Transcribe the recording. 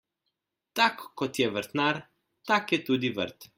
Tak kot je vrtnar, tak je tudi vrt.